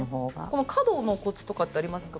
この角のコツとかってありますか？